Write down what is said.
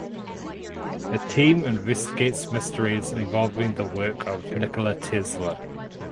A team investigates mysteries involving the work of Nikola Tesla.